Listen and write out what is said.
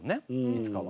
いつかは。